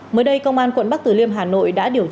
mới đây công an tp hà nội đã điều tra và liên tục